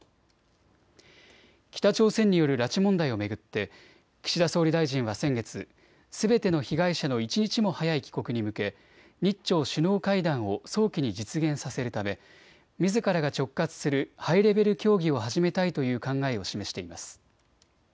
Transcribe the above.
北朝鮮による拉致問題を巡って岸田総理大臣は先月、すべての被害者の一日も早い帰国に向け、日朝首脳会談を早期に実現させるためみずからが直轄するハイレベル協議を始めたいという考えを示しています。